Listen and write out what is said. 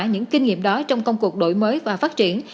những kinh nghiệm đó trong công cuộc đổi mới và phát triển